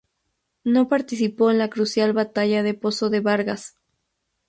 No participó en la crucial batalla de Pozo de Vargas.